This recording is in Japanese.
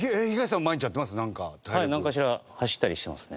はいなんかしら走ったりしてますね。